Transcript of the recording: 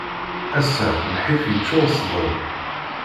Ass-a lḥif yeččur sḍel.